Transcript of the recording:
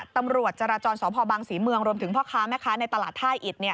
ตำรวจจราจรสพบังศรีเมืองรวมถึงพ่อค้าแม่ค้าในตลาดท่าอิด